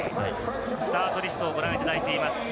スタートリストをご覧いただいています。